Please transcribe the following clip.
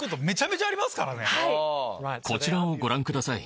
こちらをご覧ください。